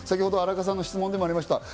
荒川さんの質問にもありました